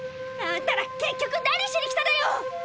あんたら結局何しに来たのよ！